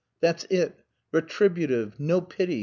"That's it. Retributive. No pity!"